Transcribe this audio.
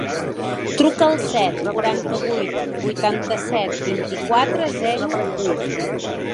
Truca al set, quaranta-vuit, vuitanta-set, vint-i-quatre, zero, u.